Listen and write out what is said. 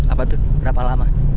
apa tuh berapa lama